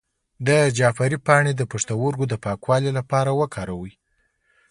د جعفری پاڼې د پښتورګو د پاکوالي لپاره وکاروئ